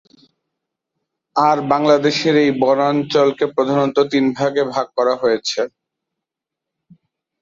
আর বাংলাদেশের এই বনাঞ্চলকে প্রধানত তিন ভাগে ভাগ করা হয়েছে।